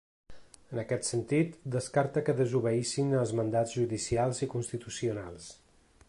En aquest sentit, descarta que desobeïssin els mandats judicials i constitucionals.